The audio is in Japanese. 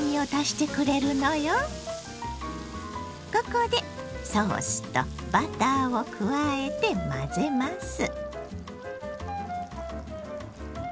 ここでソースとバターを加えて混ぜます。